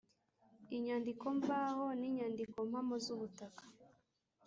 Inyandiko mvaho n inyandikompamo z ubutaka